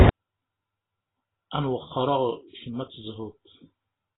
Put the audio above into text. Ad n-wexreɣ, kemm ad tezhuḍ.